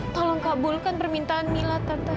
tolong kabulkan permintaan mila tante